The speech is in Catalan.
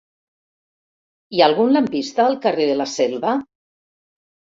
Hi ha algun lampista al carrer de la Selva?